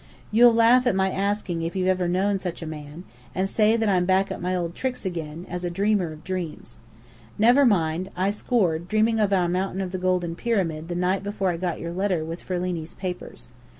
You'll laugh at my asking if you've ever known such a man, and say that I'm back at my old tricks again, as a dreamer of dreams. Never mind, I scored, dreaming of our Mountain of the Golden Pyramid the night before I got your letter with Ferlini's papers.